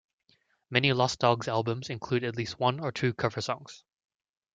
Many Lost Dogs albums include at least one or two cover songs.